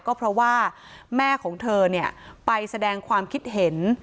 ก็เพราะว่าแม่ของเธอเนี่ยไปแสดงความคิดเห็น